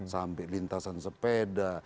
sampai lintasan sepeda